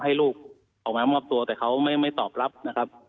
ให้ลูกออกมามอบตัวแต่เขาไม่ตอบรับนะครับ